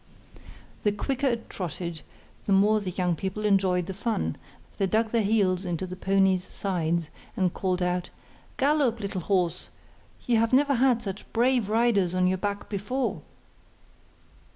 The quicker it trotted the more the young people enjoyed the fun; they dug their heels into the pony's sides and called out, 'Gallop, little horse, you have never had such brave riders on your back before!